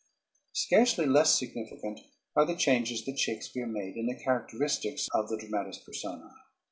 ] Scarcely less significant are the changes that Shakespeare made in the characteristics of the dramatis personae.